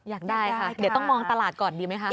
อยากได้ค่ะเดี๋ยวต้องมองตลาดก่อนดีไหมคะ